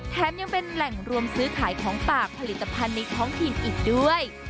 แถมยังเป็นแหล่งรวมซื้อขายของปากผลิตภัณฑ์ในท้องถิ่นอีกด้วย